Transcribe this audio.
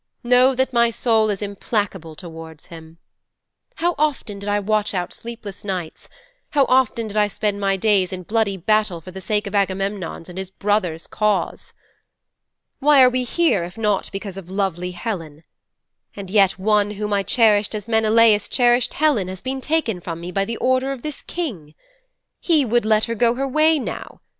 Know that my soul is implacable towards him. How often did I watch out sleepless nights, how often did I spend my days in bloody battle for the sake of Agamemnon's and his brother's cause! Why are we here if not because of lovely Helen? And yet one whom I cherished as Menelaus cherished Helen has been taken from me by order of this King! He would let her go her way now!